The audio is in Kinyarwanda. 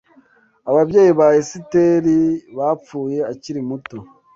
Ababyeyi ba Esiteri bapfuye akiri muto